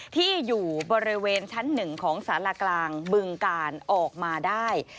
ที่อยู่บริเวณชั้น๑ของสารกลางบึงกาลออกมาได้